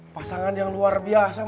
pasangan yang luar biasa